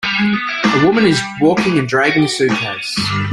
A woman is walking and dragging a suitcase.